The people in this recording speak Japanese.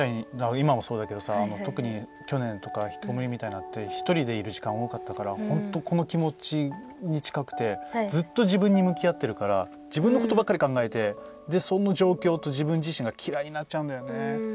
今もそうだけどさ特に、去年とか引きこもりみたいになって一人でいる時間が多かったから本当にこれに近くてずっと自分に向き合ってるから自分のことばっかり考えてその状況と自分自身が嫌いになっちゃうんだよね。